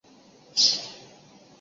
壸门过道顶有砖砌叠涩藻井。